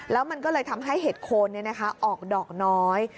แล้วมันก็เลยทำให้เห็ดโคนออกดอกน้อย